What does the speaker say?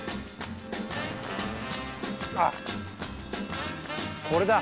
あっこれだ。